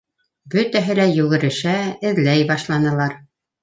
Бөтәһе лә йүгерешә, эҙләй башланылар.